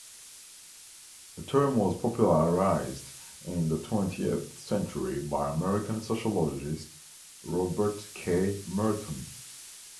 The term was popularised in the twentieth century by American sociologist Robert K. Merton.